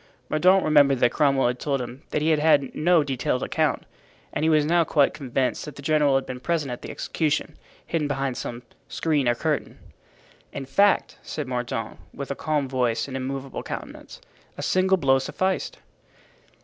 Mordaunt remembered that Cromwell had told him he had had no detailed account, and he was now quite convinced that the general had been present at the execution, hidden behind some screen or curtain. "In fact," said Mordaunt, with a calm voice and immovable countenance, "a single blow sufficed."